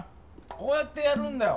こうやってやるんだよ。